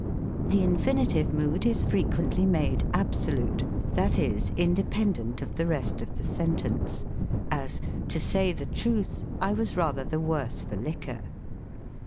The infinitive mood is frequently made absolute, that is, independent of the rest of the sentence : as, " To say the truth, I was rather the worse for liquor."